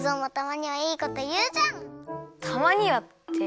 たまにはって。